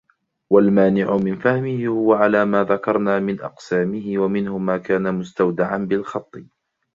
وَالْمَانِعُ مِنْ فَهْمِهِ هُوَ عَلَى مَا ذَكَرْنَا مِنْ أَقْسَامِهِ وَمِنْهُ مَا كَانَ مُسْتَوْدَعًا بِالْخَطِّ